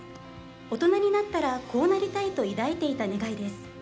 大人になったらこうなりたいと抱いていた願いです。